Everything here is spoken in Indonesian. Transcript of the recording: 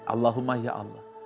allahumma ya allah